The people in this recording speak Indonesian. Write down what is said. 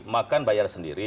makan bayar sendiri